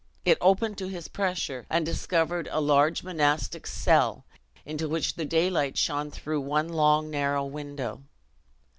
It opened to his pressure, and discovered a large monastic cell, into which the daylight shone through one long narrow window.